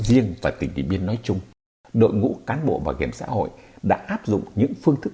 riêng và tỉnh điện biên nói chung đội ngũ cán bộ bảo hiểm xã hội đã áp dụng những phương thức